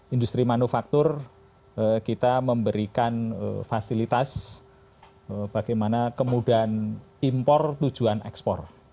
industri manufaktur kita memberikan fasilitas bagaimana kemudahan impor tujuan ekspor